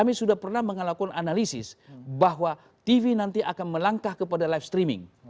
kami sudah pernah melakukan analisis bahwa tv nanti akan melangkah kepada live streaming